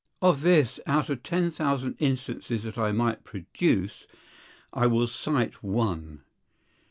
Of this out of ten thousand instances that I might produce, I will cite one.